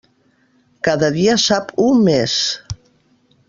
Cada dia sap u més.